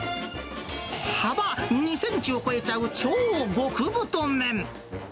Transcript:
幅２センチを超えちゃう超極太麺。